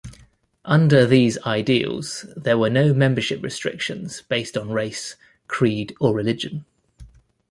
Under these ideals, there were no membership restrictions based on race, creed or religion.